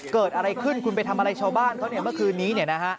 เกิดอะไรขึ้นคุณไปทำอะไรชาวบ้านเขาเนี่ยเมื่อคืนนี้